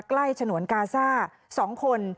ใกล้ฉนวนกาซ่า๒คน